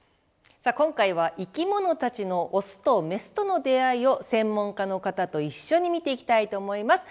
さあ今回は生きものたちのオスとメスとの出会いを専門家の方と一緒に見ていきたいと思います。